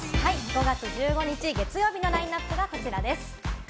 ５月１５日月曜日のラインナップはこちらです。